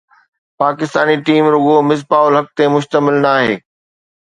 Pakistani team رڳو مصباح الحق تي مشتمل ناهي